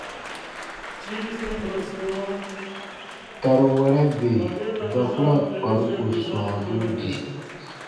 Taruwɛrɛ bè ba ku ra kparuko swãabuu di.